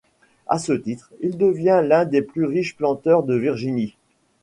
À ce titre, il devient l’un des plus riches planteurs de Virginie.